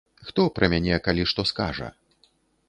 Хто пра мяне калі што скажа!